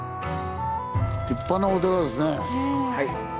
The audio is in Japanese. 立派なお寺ですね。